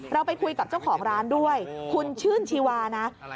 เราไปคุยกับเจ้าของร้านด้วยคุณชื่นชีวานะ